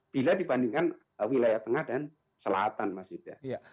bila dibandingkan wilayah tengah dan selatan mas yuda